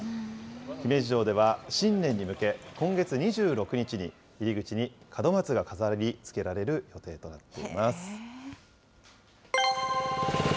姫路城では新年に向け、今月２６日に入り口に門松が飾りつけられる予定になっています。